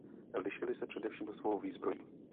Lišily se především svou výzbrojí.